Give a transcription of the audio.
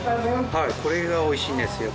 これが美味しいんですよ